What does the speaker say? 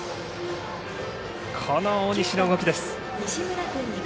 この大西の動きです。